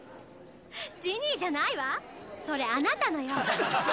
ジニーじゃないわそれあなたのよ